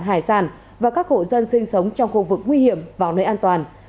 hải sản và các hộ dân sinh sống trong khu vực nguy hiểm vào nơi an toàn